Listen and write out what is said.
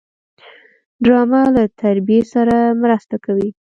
ډرامه له تربیې سره مرسته کوي